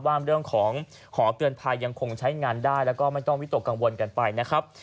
เรื่องของหอเตือนภัยยังคงใช้งานได้แล้วก็ไม่ต้องวิตกกังวลกันไปนะครับ